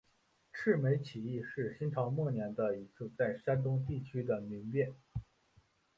赤眉起义是新朝末年的一次在山东地区的民变。